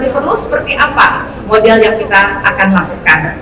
dan jika masih perlu seperti apa model yang kita akan lakukan